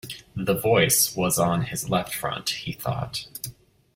The Voice was on his left front, he thought.